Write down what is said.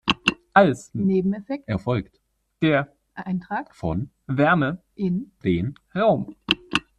Als Nebeneffekt erfolgt der Eintrag von Wärme in den Raum.